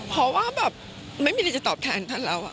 พอว่าแบบไม่มีที่จะตอบแทนท่านเรา